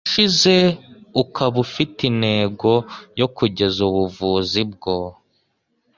ishize, ukaba ufite intego yo kugeza ubuvuzi bwo